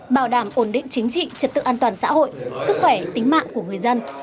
bảo đảm ổn định chính trị trật tự an toàn xã hội sức khỏe tính mạng của người dân